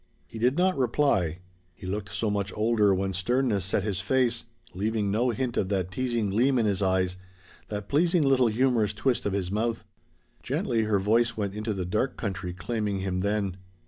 He did not reply. He looked so much older when sternness set his face, leaving no hint of that teasing gleam in his eyes, that pleasing little humorous twist of his mouth. Gently her voice went into the dark country claiming him then.